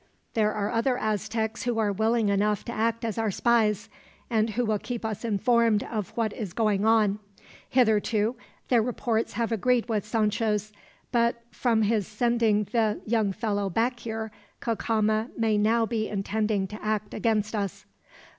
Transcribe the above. There are other Aztecs who are willing enough to act as our spies, and who will keep us informed of what is going on. Hitherto their reports have agreed with Sancho's, but from his sending the young fellow back here, Cacama may now be intending to act against us."